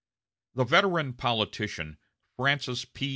The veteran politician Francis P.